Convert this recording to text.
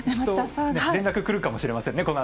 連絡くるかもしれませんね。